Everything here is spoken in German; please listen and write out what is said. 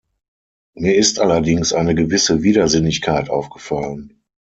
Mir ist allerdings eine gewisse Widersinnigkeit aufgefallen.